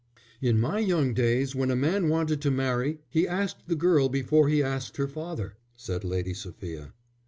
"In my young days when a man wanted to marry he asked the girl before he asked her father," said Lady Sophia.